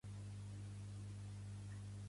Es van aplegar monàrquics i anticlericals?